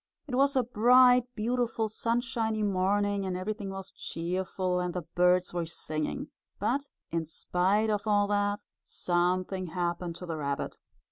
It was a bright, beautiful sunshiny morning, and everything was cheerful, and the birds were singing. But, in spite of all that, something happened to the rabbit.